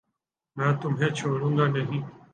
میں تمہیں چھوڑوں گانہیں